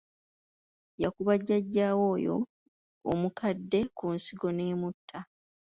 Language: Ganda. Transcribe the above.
Yakuba jjajjaawe oyo omukadde ku nsingo n'amutta!